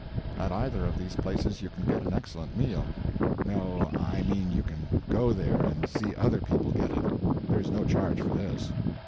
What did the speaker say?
At either of these places you can get an excellent meal—no, I mean you can go there and see other people get it. There is no charge for this.